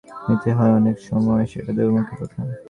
তাকে পাঁচজনের মুখের কথা মেনে নিতে হয়, অনেক সময়ই সেটা দুর্মুখের কথা।